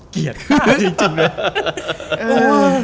เกลียดจริงเลย